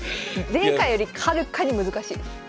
前回よりはるかに難しいです。